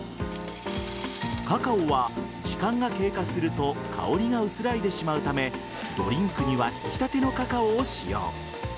カカオは、時間が経過すると香りが薄らいでしまうためドリンクにはひきたてのカカオを使用。